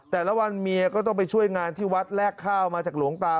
แต่ละวันเมียก็ต้องไปช่วยงานที่วัดแลกข้าวมาจากหลวงตา